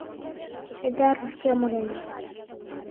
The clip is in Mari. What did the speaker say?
Айда рӱжге мурена